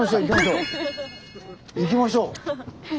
行きましょう！